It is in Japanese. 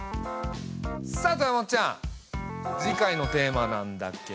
さあ豊本ちゃん次回のテーマなんだけど。